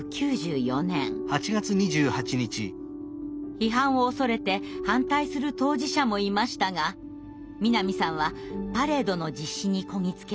批判を恐れて反対する当事者もいましたが南さんはパレードの実施にこぎ着けます。